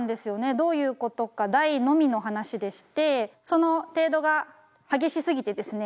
どういうことか大のみの話でしてその程度が激しすぎてですね